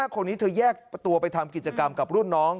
คนนี้เธอแยกตัวไปทำกิจกรรมกับรุ่นน้อง